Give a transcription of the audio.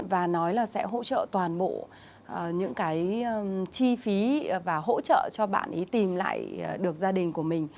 và nói là sẽ hỗ trợ toàn bộ những cái chi phí và hỗ trợ cho bạn ý tìm lại được gia đình của mình